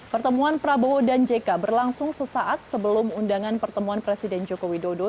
pertemuan prabowo dan jk berlangsung sesaat sebelum undangan pertemuan presiden joko widodo